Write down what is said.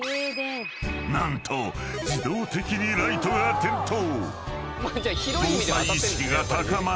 ［何と自動的にライトが点灯］